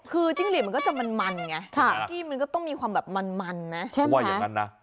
คือจิ้งหลีดมันก็จะมันไงบางที่มันก็ต้องมีความแบบมันนะว่าอย่างนั้นนะ